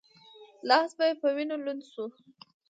لاس یې په وینو لند شو.